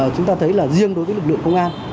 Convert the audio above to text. chúng ta thấy là riêng đối với lực lượng công an